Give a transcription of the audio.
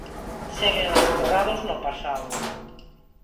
Seguen ancorados no pasado.